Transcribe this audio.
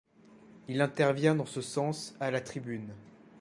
Il intervient dans ce sens à la tribune.